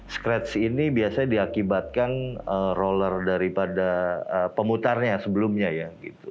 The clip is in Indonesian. scratch ini biasanya diakibatkan roller daripada pemutarnya sebelumnya ya